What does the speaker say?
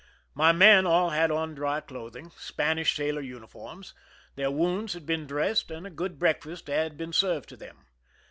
My men all had on dry clothing,— Spanish sailor uni forms, —their wounds had been dressed, and a good breakfast had been served to them.